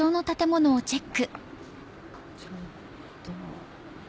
ちょっと。